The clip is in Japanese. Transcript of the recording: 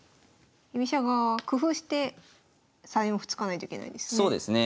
居飛車側は工夫して３四歩突かないといけないですね。